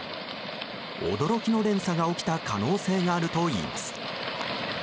驚きの連鎖が起きた可能性があるといいます。